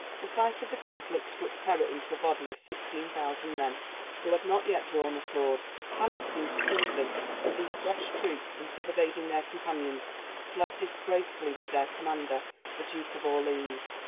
The sight of the conflict struck terror into a body of sixteen thousand men, who had not yet drawn a sword. Panic seemed to seize them; and these fresh troops, instead of aiding their companions, fled disgracefully with their commander, the Duke of Orleans.